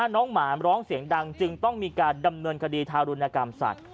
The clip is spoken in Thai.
หมาร้องเสียงดังจึงต้องมีการดำเนินคดีทารุณกรรมสัตว